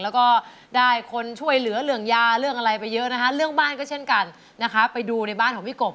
แล้วก็ได้คนช่วยเหลือเรื่องยาเรื่องอะไรไปเยอะนะคะเรื่องบ้านก็เช่นกันนะคะไปดูในบ้านของพี่กบ